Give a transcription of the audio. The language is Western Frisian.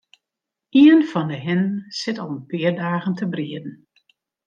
Ien fan 'e hinnen sit al in pear dagen te brieden.